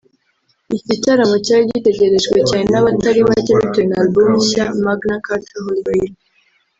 Iki gitaramo cyari gitegerejwe cyane n’abatari bake bitewe na Album nshya “Magna Carta Holy Grail